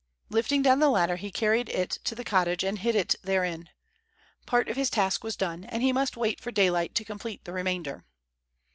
Lifting down the ladder, he carried it to the cottage and hid it therein. Part of his task was done, and he must wait for daylight to complete the remainder.